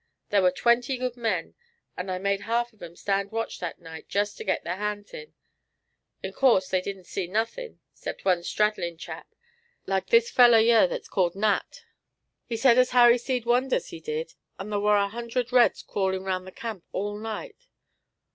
There war but twenty good men, an' I made half of 'em stand watch that night just to get their hands in. In course they didn't see nothin', 'cept one straddlin' chap, like this feller yer that is called Nat. He said as how he seed wonders, he did, and thar war a hundred reds crawlin' round the camp all night.